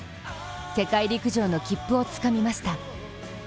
世界陸上の切符をつかみました。